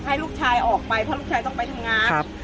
ให้ลูกชายออกไปเพราะลูกชายต้องไปทำงาน